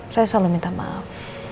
saya selalu minta maaf